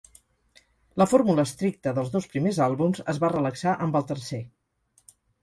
La fórmula estricta dels dos primers àlbums es va relaxar amb el tercer.